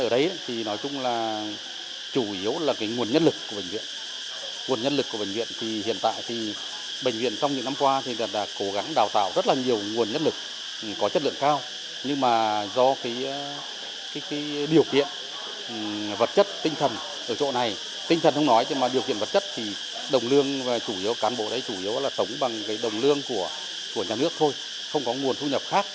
đồng lương chủ yếu cán bộ đấy chủ yếu là sống bằng cái đồng lương của nhà nước thôi không có nguồn thu nhập khác